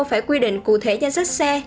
phải quy định cụ thể danh sách xe